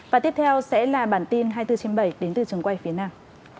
và tiếp theo sẽ là bản tin hai mươi bốn trên bảy đến từ trường quay phía nam